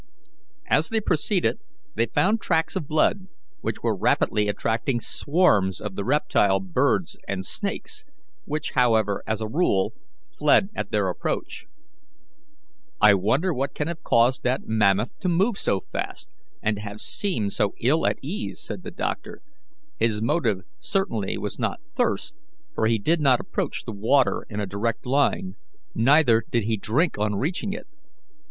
As they proceeded they found tracks of blood, which were rapidly attracting swarms of the reptile birds and snakes, which, however, as a rule, fled at their approach. "I wonder what can have caused that mammoth to move so fast, and to have seemed so ill at ease?" said the doctor. "His motive certainly was not thirst, for he did not approach the water in a direct line, neither did he drink on reaching it.